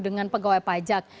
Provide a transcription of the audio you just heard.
dengan pegawai pajak